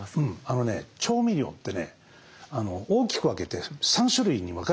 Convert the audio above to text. あのね調味料ってね大きく分けて３種類に分かれちゃうわけ。